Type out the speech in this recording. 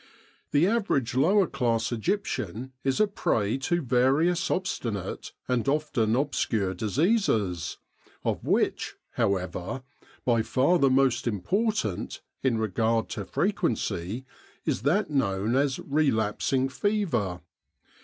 The average lower cfass Egyptian is a prey to various obstinate and often obscure diseases, of which, how ever, by far the most important, in regard to fre quency, is that known as relapsing fever.